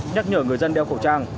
nhắc nhở người dân đeo khẩu trang